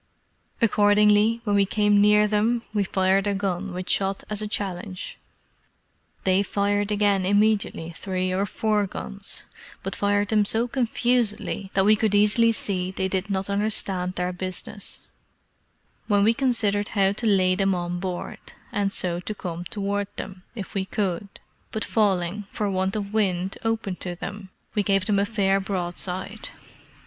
Accordingly, when we came near them, we fired a gun with shot as a challenge. They fired again immediately three or four guns, but fired them so confusedly that we could easily see they did not understand their business; when we considered how to lay them on board, and so to come thwart them, if we could; but falling, for want of wind, open to them, we gave them a fair broadside.